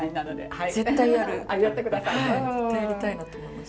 はい絶対やりたいなと思います。